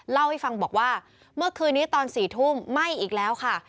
เล่าให้ฟังบอกว่าเมื่อคืนนี้ตอน๔ทุ่มไหม้อีกแล้วค่ะ